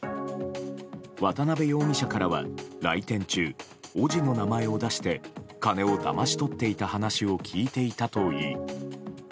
渡辺容疑者からは、来店中おぢの名前を出して金をだまし取っていた話を聞いていたといい。